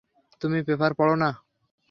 তুমি পেপার পড় না?